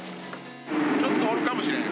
ちょっとおるかもしれん。